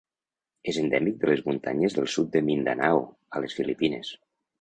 És endèmic de les muntanyes del sud de Mindanao, a les Filipines.